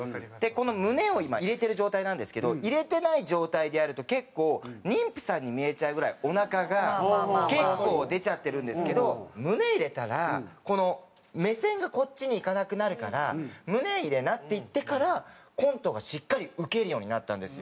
胸を入れている状態なんですけど入れていない状態でやると結構妊婦さんに見えちゃうぐらいおなかが結構出ちゃってるんですけど胸入れたらこの目線がこっちにいかなくなるから「胸入れな」って言ってからコントがしっかりウケるようになったんですよ。